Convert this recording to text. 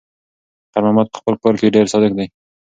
خیر محمد په خپل کار کې ډېر صادق دی.